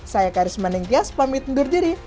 saya karisma ningtyas pamit undur diri